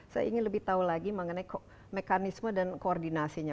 saya ingin lebih tahu lagi mengenai mekanisme dan koordinasinya